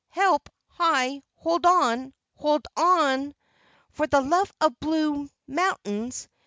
Help! Hi! Hold on! HOLD ON! For the love of blue mountains!